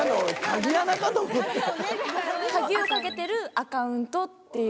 鍵を掛けてるアカウントっていう。